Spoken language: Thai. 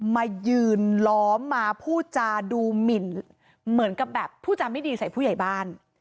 มายืนล้อมมาพูดจาดูหมินเหมือนกับแบบผู้จำไม่ดีใส่ผู้ใหญ่บ้าน